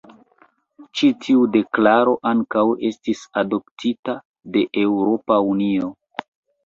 Ĉi tiu deklaro ankaŭ estis adoptita de Eŭropa Unio.